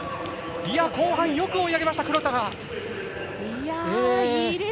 後半、よく追い上げました。